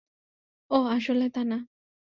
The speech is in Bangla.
ওহ - আসলে তা না।